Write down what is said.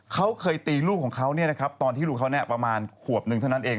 เขาเคยตีลูกของเขาเนี่ยนะครับตอนที่ลูกเขาเนี่ยประมาณขวบหนึ่งเท่านั้นเอง